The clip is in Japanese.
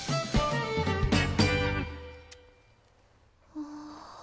ああ。